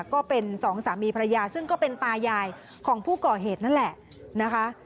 ก็เป็นสองสามีภรรยาซึ่งก็เป็นตายายของผู้ก่อเหตุนั่นแหละนะคะ